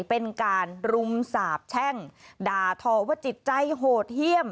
เป็นการรุมสาบแช่งด่าทอว่าจิตใจโหดเยี่ยม